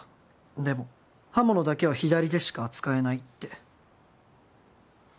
「でも刃物だけは左でしか扱えない」って。